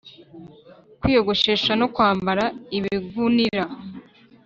kwiyogoshesha no kwambara ibigunira,